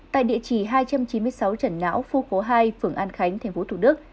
tại địa chỉ hai trăm chín mươi sáu trần lão phu khố hai phường an khánh tp thủ đức